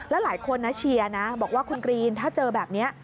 แล้วหลายคนนะเชียร์นะบอกว่าคุณกรีนถ้าเจอแบบนี้